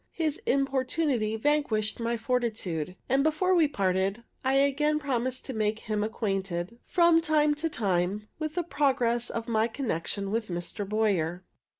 His importunity vanquished my fortitude; and before we parted, I again promised to make him acquainted, from time to time, with the progress of my connection with Mr. Boyer.